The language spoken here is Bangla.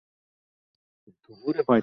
অতএব নিন্দাবাদ একেবারে পরিত্যাগ কর।